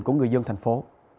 của người dân thành phố